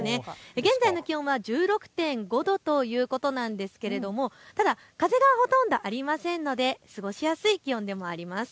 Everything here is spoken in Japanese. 現在の気温は１６．５度ということなんですが風がほとんどありませんので過ごしやすい気温でもあります。